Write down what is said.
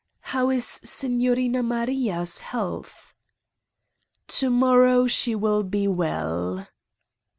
"How is Signorina Maria's health?" "Tomorrow she will be well."